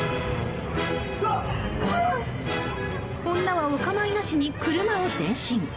女はお構いなしに車を前進。